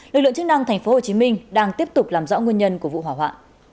lực lượng chức năng tp hcm đang tiếp tục làm rõ nguyên nhân của vụ hỏa hoạn